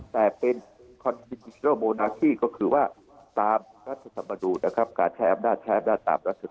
แต่เป็นความคิดว่าตามรัฐธรรมดูลนะครับการใช้อำนาจแทนตามรัฐศืน